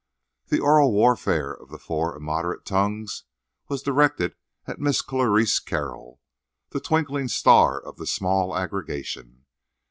The oral warfare of four immoderate tongues was directed at Miss Clarice Carroll, the twinkling star of the small aggregation.